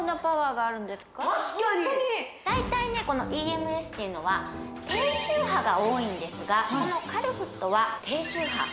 確かにホントに大体ねこのＥＭＳっていうのは低周波が多いんですがこのカルフットは低周波中周波高周波